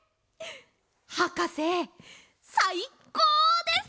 はかせさいこうです！